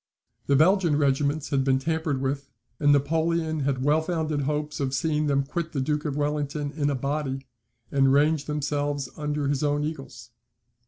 The Belgian regiments had been tampered with; and Napoleon had well founded hopes of seeing them quit the Duke of Wellington in a body, and range themselves under his own eagles.